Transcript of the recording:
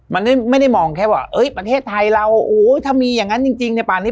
มันไม่ได้มองแค่ว่าประเทศไทยเราถ้ามีอย่างนั้นจริงในป่านนี้